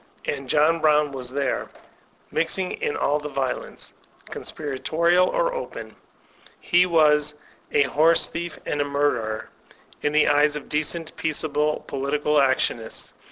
And John Brown was there, mixing in all the violence, conspiratical or open ; he was "a horse thief and a murderer,'* in the eyes of decent, peaceable, political actionists.